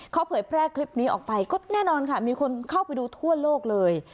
เขาเผยแพร่คลิปนี้ออกไปก็แน่นอนค่ะมีคนเข้าไปดูทั่วโลกเลย